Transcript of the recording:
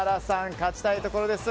勝ちたいところです。